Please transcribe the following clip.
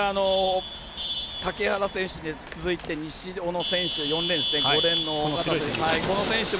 竹原選手に続いて西小野選手５レーンの小方選手。